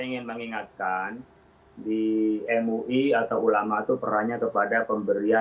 saya ingin mengingatkan di mui atau ulama itu perannya kepada pemberian